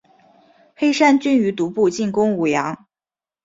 黑山军于毒部进攻武阳。